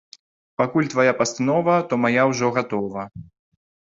Пакуль твая пастанова, то мая ўжо гатова.